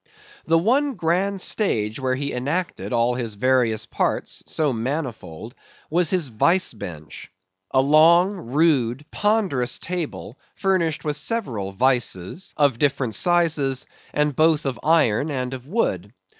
The one grand stage where he enacted all his various parts so manifold, was his vice bench; a long rude ponderous table furnished with several vices, of different sizes, and both of iron and of wood.